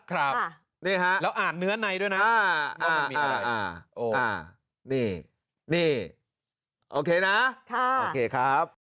ครับนี่ฮะแล้วอ่านเนื้อในด้วยนะนี่โอเคนะโอเคครับ